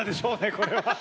これは！